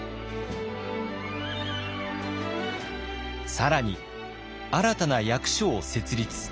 更に新たな役所を設立。